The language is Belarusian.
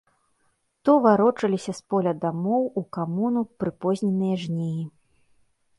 То варочаліся з поля дамоў, у камуну, прыпозненыя жнеі.